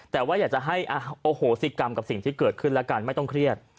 แต่ว่าอยากจะให้โอโหสิกรรมกับสิ่งที่เกิดขึ้นแล้วกันไม่ต้องเครียด